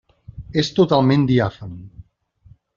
És totalment diàfan.